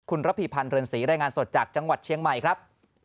คุณระพีพันธ์เรือนศรีรายงานสดจากจังหวัดเชียงใหม่ครับ